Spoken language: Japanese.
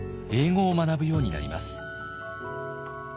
英語を学ぶようになります。